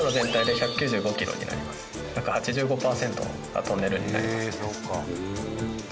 約８５パーセントがトンネルになりますね。